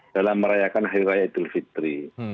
dalam merayakan hari raya idul fitri